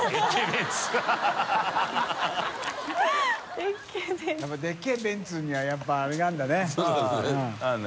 やっぱでっけぇベンツには笋辰アレがあるんだね。